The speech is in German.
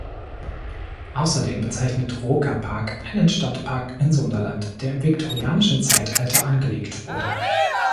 Außerdem bezeichnet "Roker Park" einen Stadtpark in Sunderland, der im Viktorianischen Zeitalter angelegt wurde.